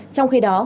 trong khi đó